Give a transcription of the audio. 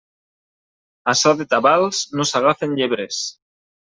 A so de tabals no s'agafen llebres.